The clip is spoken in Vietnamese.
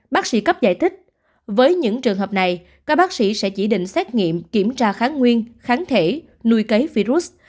bác sĩ cấp giải thích với những trường hợp này các bác sĩ sẽ chỉ định xét nghiệm kiểm tra kháng nguyên kháng thể nuôi cấy virus